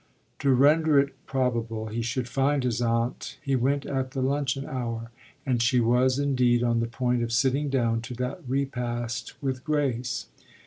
To render it probable he should find his aunt he went at the luncheon hour; and she was indeed on the point of sitting down to that repast with Grace.